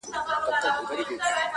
• د حقوق پوهنځي ونه لوستله -